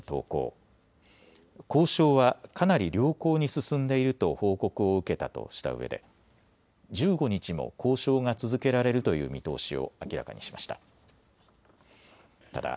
交渉はかなり良好に進んでいると報告を受けたとしたうえで１５日も交渉が続けられるという見通しを明らかにしました。